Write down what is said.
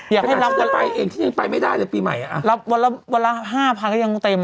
อยากให้รับวันอันที่นี่ไปไม่ได้ในปีใหม่อ่ะรับวันละ๕๐๐๐ก็ยังเต็มอ่ะ